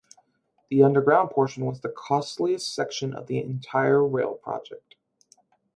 The underground portion was the costliest section of the entire rail project.